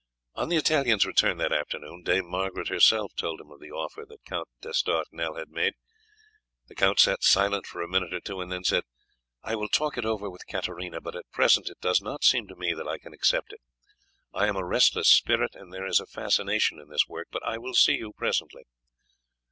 On the Italian's return that afternoon Dame Margaret herself told him of the offer the Count d'Estournel had made. He sat silent for a minute or two and then said: "I will talk it over with Katarina; but at present it does not seem to me that I can accept it. I am a restless spirit, and there is a fascination in this work; but I will see you presently."